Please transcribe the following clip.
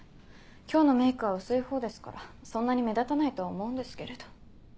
今日のメイクは薄いほうですからそんなに目立たないとは思うんですけれど。